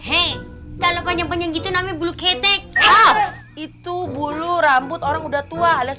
hei kalau panjang panjang gitu namanya bulu keteka itu bulu rambut orang udah tua alas